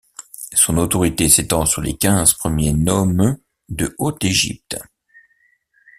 Son autorité s'étend sur les quinze premiers nomes de Haute-Égypte.